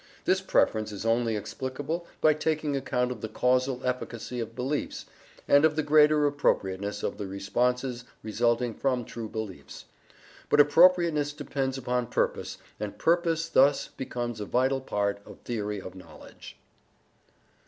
This preference is only explicable by taking account of the causal efficacy of beliefs, and of the greater appropriateness of the responses resulting from true beliefs. But appropriateness depends upon purpose, and purpose thus becomes a vital part of theory of knowledge.